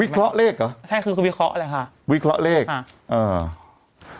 วิเคราะห์เลขหรอใช่คือคือวิเคราะห์แหละค่ะวิเคราะห์เลขอ่า